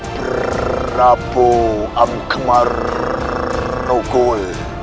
prabu amkemar rukul